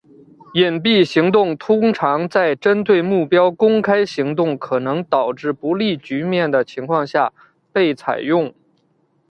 隐蔽行动通常在针对目标公开行动可能导致不利局面的情况下被采用。